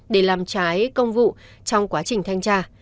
để làm trái công vụ trong quá trình thanh tra